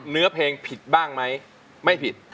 เนื้อเพลงผิดบ้างไหมไม่ผิด